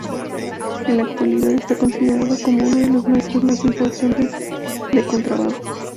En la actualidad está considerado como uno de los maestros más importantes de contrabajo.